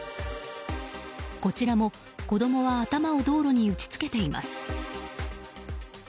こちらも、子供は頭を道路に打ち付けています。